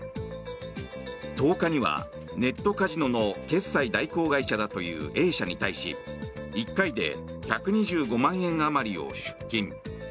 １０日にはネットカジノの決済代行会社だというＡ社に対し１回で１２５万円あまりを出金。